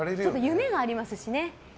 夢がありますしね。